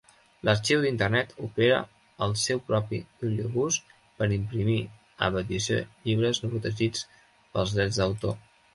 L'Arxiu d'Internet opera el seu propi bibliobús per imprimir a petició llibres no protegits pels drets d'autor.